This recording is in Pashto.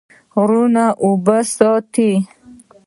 غرونه اوبه ساتي.